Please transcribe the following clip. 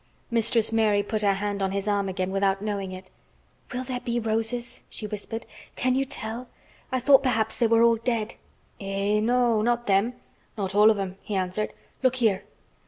Mistress Mary put her hand on his arm again without knowing it. "Will there be roses?" she whispered. "Can you tell? I thought perhaps they were all dead." "Eh! No! Not them—not all of 'em!" he answered. "Look here!"